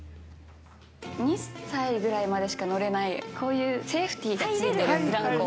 ２歳ぐらいまでしか乗れない、こういうセーフティーがついてるブランコ。